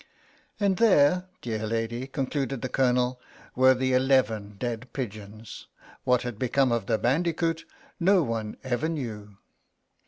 "And there, dear lady," concluded the Colonel, "were the eleven dead pigeons. What had become of the bandicoot no one ever knew."